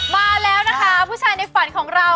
มาแล้วนะคะผู้ชายในฝันของเรา